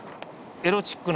エロチックな。